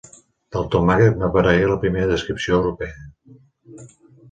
Del tomàquet n'aparegué la primera descripció europea.